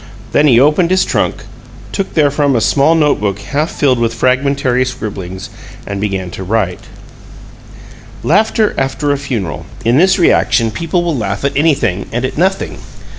Then he opened his trunk, took therefrom a small note book half filled with fragmentary scribblings, and began to write: Laughter after a funeral. In this reaction people will laugh at anything and at nothing.